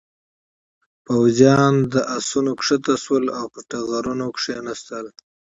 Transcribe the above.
پوځيان له آسونو کښته شول او پر ټغرونو یې کېناستل.